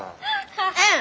うん。